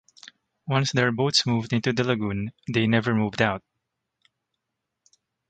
Once their boats moved into the lagoon, they never moved out.